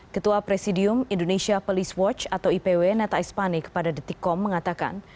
ketua presidium indonesia police watch atau ipw neta espane kepada detikkom mengatakan